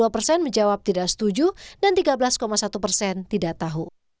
dua puluh persen menjawab tidak setuju dan tiga belas satu persen tidak tahu